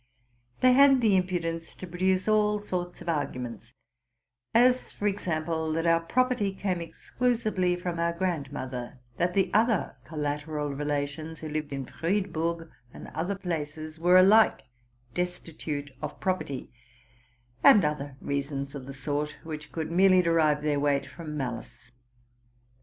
They had the impudence to produce all sorts of arguments: as, for example, that our property came exclusively from our grandmother; that the other collateral relations who lived in Friedburg and other places were alike destitute of property; and other reasons of the sort, which could merely derive their weight from malice.